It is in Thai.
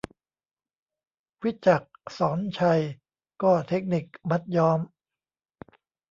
วิจักร ศรไชย : ก็เทคนิค 'มัดย้อม'